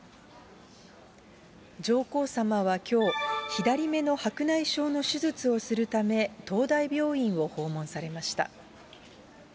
上皇さまはきょう、左目の白内障の手術をするため、東大病院を訪問されました。